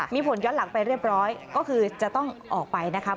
มีผลย้อนหลังไปเรียบร้อยก็คือจะต้องออกไปนะครับ